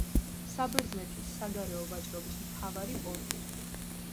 საბერძნეთის საგარეო ვაჭრობის მთავარი პორტი.